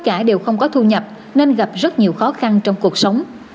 cả đều không có thu nhập nên gặp rất nhiều khó khăn trong cuộc sống